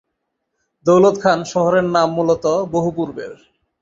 দৌলতখান শহরের নাম মূলত বহুপূর্বের।